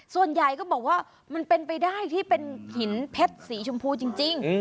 ส่วนใหญ่ก็บอกว่ามันเป็นไปได้ที่เป็นหินเพชรสีชมพูจริง